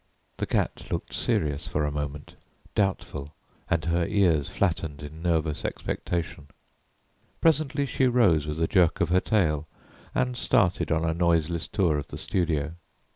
The cat looked serious, for a moment doubtful, and her ears flattened in nervous expectation. Presently she rose with a jerk of her tail and started on a noiseless tour of the studio.